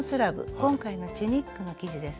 今回のチュニックの生地です。